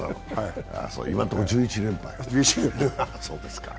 今のところ１１連敗。